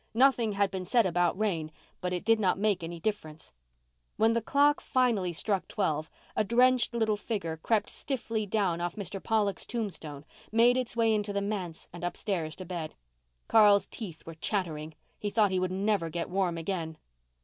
Nothing had been said about rain—but it did not make any difference. When the study clock finally struck twelve a drenched little figure crept stiffly down off Mr. Pollock's tombstone, made its way into the manse and upstairs to bed. Carl's teeth were chattering. He thought he would never get warm again.